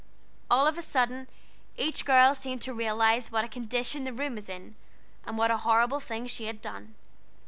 All of a sudden, each girl seemed to realize what a condition the room was in, and what a horrible thing she had done.